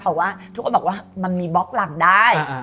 เพราะว่าทุกคนบอกว่ามันมีบล็อกหลังได้